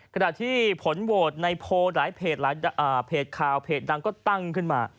ขณะที่ผลโหวตในโพลหลายเพจหลายเพจข่าวเพจดังก็ตั้งขึ้นมา